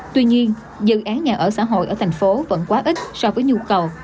tuy nhiên dự án nhà ở xã hội ở thành phố vẫn quá ít so với nhu cầu